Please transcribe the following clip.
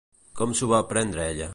Com s'ho va prendre ella?